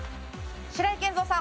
白井健三さん。